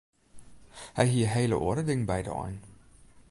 Hy hie hele oare dingen by de ein.